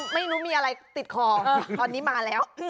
ไม่รู้มีอะไรติดคอตอนนี้มาแล้ว